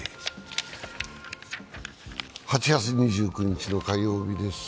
８月２９日の火曜日です。